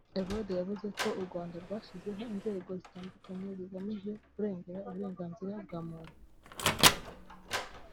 Evode yavuze ko u Rwanda rwashyizeho inzego zitandukanye zigamije kurengera uburenganzira bwa muntu